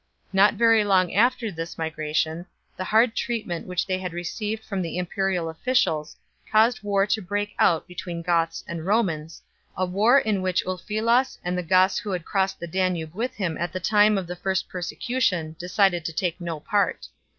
Not very long after this migra tion, the hard treatment which they received from the imperial officials caused war to break out between Goths and Romans a war in which Ulfilas and the Goths who had crossed the Danube with him at the time of the first persecution decided to take no part.